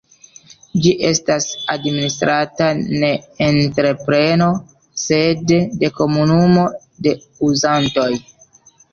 Ĝi estas administrata ne de entrepreno sed de komunumo de uzantoj.